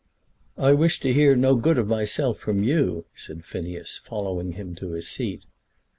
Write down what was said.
"I wish to hear no good of myself from you," said Phineas, following him to his seat.